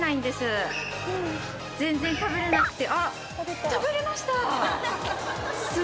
全然食べれなくて。